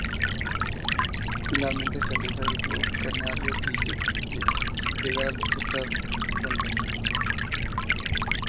Finalmente, se aleja del club canario sin llegar a disputar encuentros.